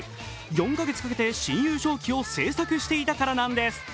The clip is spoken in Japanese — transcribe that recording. ４か月かけて新優勝旗を製作していたからなんです。